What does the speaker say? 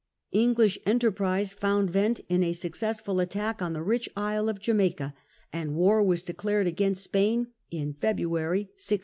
English enterprise found vent in a successful attack on the rich isle of Jamaica, and war was declared against Spain in February, 1656.